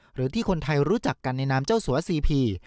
หรือที่คนไทยรู้จักกันในนามเจ้าสัวซีพี